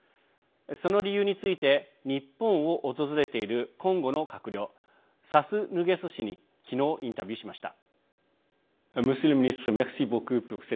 その理由について日本を訪れているコンゴの閣僚サスヌゲソ氏に昨日インタビューしました。